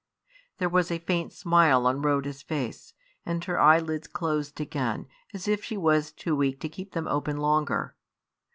There was a faint smile on Rhoda's face; and her eyelids closed again, as if she was too weak to keep them open longer.